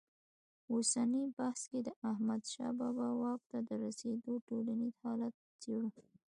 اوسني بحث کې د احمدشاه بابا واک ته تر رسېدو ټولنیز حالت څېړو.